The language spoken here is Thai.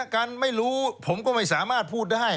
กันไม่รู้ผมก็ไม่สามารถพูดได้